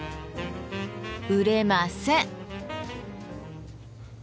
売れません。